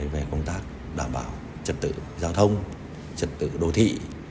về công tác đảm bảo trật tự giao thông trật tự đô thị